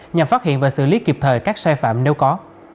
nhằm phát hiện và xử lý kịp thời các sai phạm nếu có